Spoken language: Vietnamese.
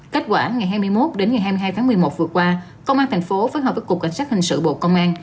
kết quả ngày hai mươi một đến ngày hai mươi hai tháng một mươi một vừa qua công an thành phố phối hợp với cục cảnh sát hình sự bộ công an